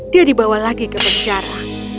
dia dibawa lagi ke penjara